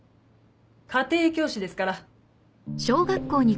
家庭教師ですから。ねぇ！